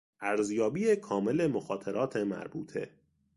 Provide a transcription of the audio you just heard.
ارزیابی کامل مخاطرات مربوطه